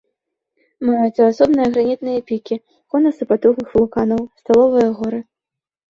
Маюцца асобныя гранітныя пікі, конусы патухлых вулканаў, сталовыя горы.